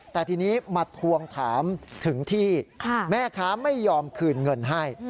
แต่ทีนี้มาทวงถามถึงที่แม่ค้าไม่ยอมคืนเงินให้